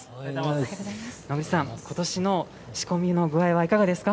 野口さん、ことしの仕込みの具合はいかがですか。